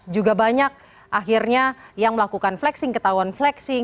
juga banyak akhirnya yang melakukan flexing ketahuan flexing